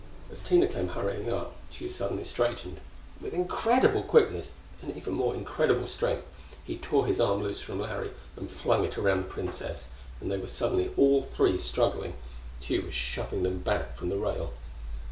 As Tina came hurrying up, Tugh suddenly straightened. With incredible quickness, and even more incredible strength, he tore his arm loose from Larry and flung it around the Princess, and they were suddenly all three struggling. Tugh was shoving them back from the rail.